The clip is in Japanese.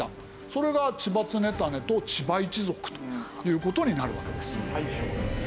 それが千葉常胤と千葉一族という事になるわけです。